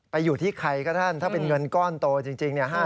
อยู่ที่ใครก็ท่านถ้าเป็นเงินก้อนโตจริงเนี่ย